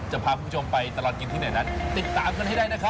จะพาคุณผู้ชมไปตลอดกินที่ไหนนั้นติดตามกันให้ได้นะครับ